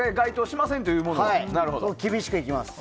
厳しくいきます。